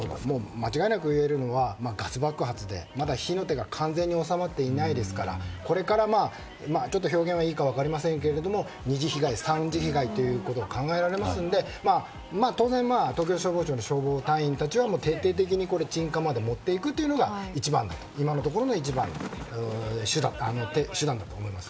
間違いなくいえるのはガス爆発で、まだ火の手が完全に収まっていないのでこれから、ちょっと表現が良いか分かりませんが２次被害、３次被害ということも考えられますので当然、東京消防庁の消防隊員たちは徹底的に鎮火まで持っていくというのが今のところの一番の手段だと思います。